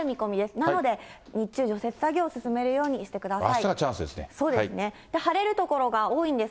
なので、日中、除雪作業を進めるようにしてください。